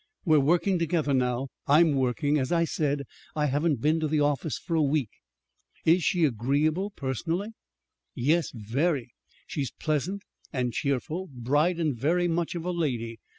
We're working together now I'm working. As I said, I haven't been to the office for a week." "Is she agreeable personally?" "Yes, very. She's pleasant and cheerful, bright, and very much of a lady.